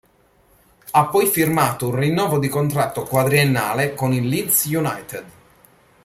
Ha poi firmato un rinnovo di contratto quadriennale con il Leeds United.